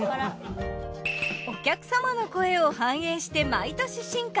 お客様の声を反映して毎年進化。